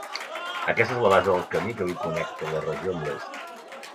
Aquesta és la base del camí que avui connecta la regió amb l'est.